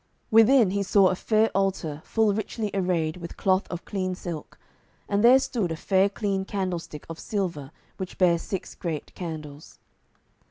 Within he saw a fair altar full richly arrayed with cloth of clean silk, and there stood a fair clean candlestick of silver which bare six great candles.